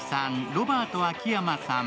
ロバート秋山さん